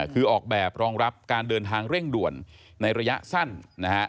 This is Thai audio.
คือออกแบบรองรับการเดินทางเร่งด่วนในระยะสั้นนะฮะ